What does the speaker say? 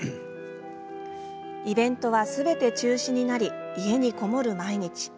イベントはすべて中止になり家に籠もる毎日。